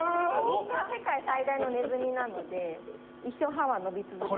世界最大のネズミなので一生歯は伸び続けます。